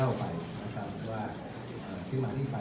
รับใจพูดถึงยกฆะสูงถึงไหนว่ากลับสมการได้เล่า